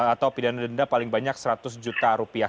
atau pidana denda paling banyak seratus juta rupiah